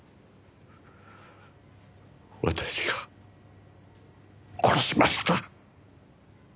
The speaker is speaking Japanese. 私が殺しました。